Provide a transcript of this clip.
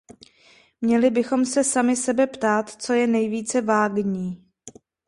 Měli bychom se sami sebe ptát, co je nejvíce vágní.